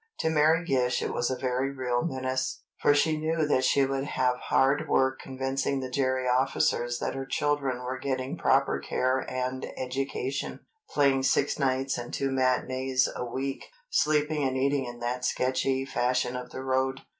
To Mary Gish it was a very real menace, for she knew that she would have hard work convincing the Gerry officers that her children were getting proper care and education, playing six nights and two matinées a week, sleeping and eating in that sketchy fashion of the road.